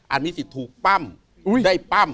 มีสิทธิ์ถูกปั้มได้ปั้ม